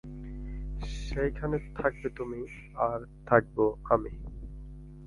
সেইখানে থাকবে তুমি, আর থাকব আমি।